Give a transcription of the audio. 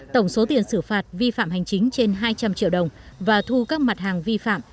tổng số tiền xử phạt vi phạm hành chính trên hai trăm linh triệu đồng và thu các mặt hàng vi phạm